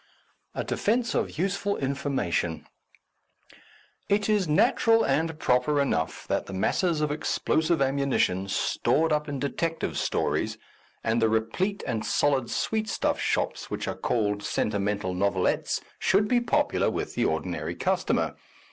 A DEFENCE OF USEFUL INFORMATION IT is natural and proper enough that the masses of explosive ammunition stored up in detective stories and the replete and solid sweet stuff shops which are called sentimental novelettes should be popular with the ordinary customer.